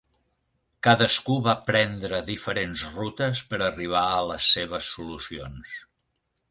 Cadascú va prendre diferents rutes per arribar a les seves solucions.